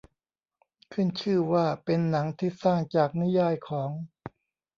ขึ้นชื่อว่าเป็นหนังที่สร้างจากนิยายของ